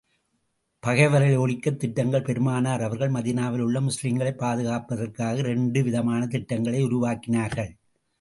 பகைவர்களை ஒழிக்கத் திட்டங்கள் பெருமானார் அவர்கள் மதீனாவில் உள்ள முஸ்லிம்களைப் பாதுகாப்பதற்காக, இரண்டு விதமான திட்டங்களை உருவாக்கினார்கள்.